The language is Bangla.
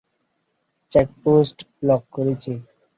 চেকপোস্ট ব্লক করেছি।